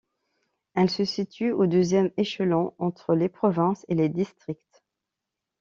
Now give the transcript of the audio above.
Elles se situent au deuxième échelon, entre les provinces et les districts.